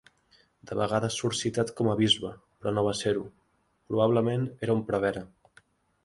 De vegades surt citat com a bisbe, però no va ser-ho: probablement era un prevere.